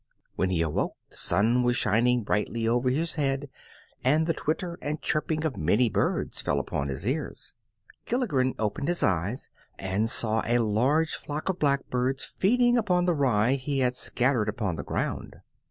When he awoke the sun was shining brightly over his head and the twitter and chirping of many birds fell upon his ears. Gilligren opened his eyes and saw a large flock of blackbirds feeding upon the rye he had scattered upon the ground.